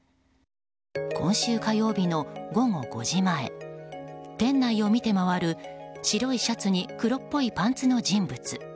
今週火曜日の午後５時前店内を見て回る、白いシャツに黒っぽいパンツの人物。